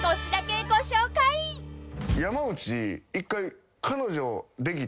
山内１回。